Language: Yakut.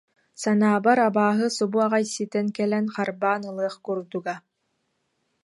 Санаабар, абааһы субу аҕай ситэн кэлэн харбаан ылыах курдуга»